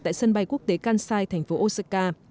tại sân bay quốc tế kansai thành phố osaka